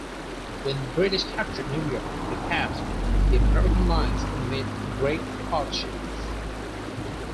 When the British captured New York he passed the American lines amid great hardships.